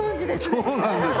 そうなんです。